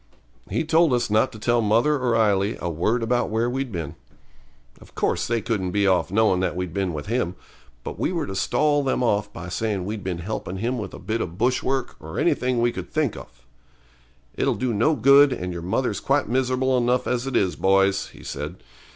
He told us not to tell mother or Ailie a word about where we'd been. Of course they couldn't be off knowin' that we'd been with him; but we were to stall them off by saying we'd been helping him with a bit of bush work or anything we could think off. 'It'll do no good, and your mother's quite miserable enough as it is, boys,' he said.